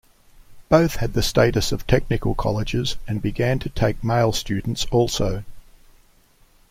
Both had the status of technical colleges, and began to take male students also.